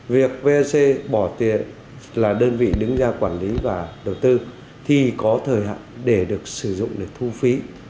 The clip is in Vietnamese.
việc vec bỏ tiền là đơn vị đứng ra quản lý và đầu tư thì có thời hạn để được sử dụng để thu phí